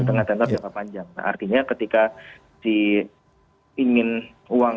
nah artinya ketika di ingin uang